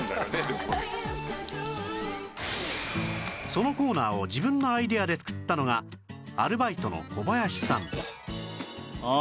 そのコーナーを自分のアイデアで作ったのがアルバイトの小林さん